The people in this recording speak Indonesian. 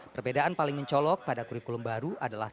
perbedaan paling mencolok pada kurikulum baru adalah